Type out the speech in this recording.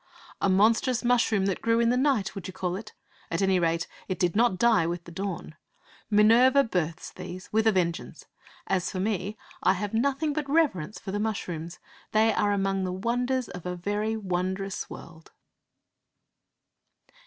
A monstrous mushroom that grew in the night,' would you call it? At any rate, it did not die with the dawn. 'Minerva births' these, with a vengeance. As for me, I have nothing but reverence for the mushrooms. They are among the wonders of a very wondrous world.